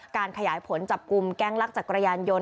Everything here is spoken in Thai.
ขยายผลจับกลุ่มแก๊งลักจักรยานยนต